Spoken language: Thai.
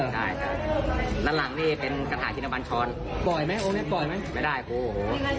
นั่นหลังนี่เป็นกระถาชินบัญชรปล่อยไหมโอ้ไม่ได้โอ้โหโอ้โห